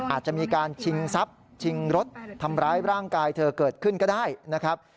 อาจจะมีการชิงทรัพย์ชิงรถทำร้ายร่างกายเธอเกิดขึ้นก็ได้นะครับ